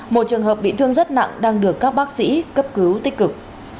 một trường hợp bị thương rất nặng đang được các bác sĩ cấp cứu tích cực